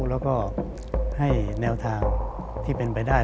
แล้วก็ให้แนวทางที่เป็นไปได้